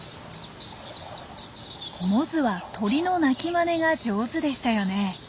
モズは鳥の鳴きまねが上手でしたよね？